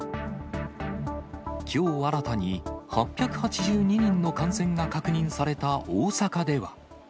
きょう新たに８８２人の感染が確認された大阪では。